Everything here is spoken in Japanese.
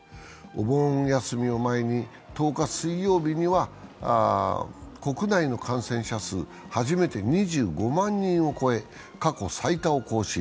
お盆休みを前に１０日水曜日には、国内の感染者数、初めて２５万人を超え、過去最多を更新。